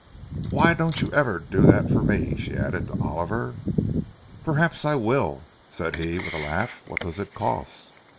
"Why don't you ever do that for me?" she added, to Oliver. "Perhaps I will," said he, with a laugh. "What does it cost?"